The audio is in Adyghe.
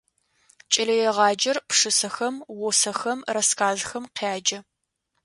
Кӏэлэегъаджэр пшысэхэм, усэхэм, рассказхэм къяджэ.